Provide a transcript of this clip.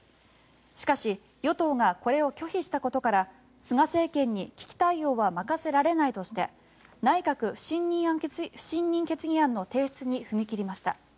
しかし、与党がこれを拒否したことから菅政権に危機対応は任せられないとして内閣不信任決議案の提出に踏み切りました。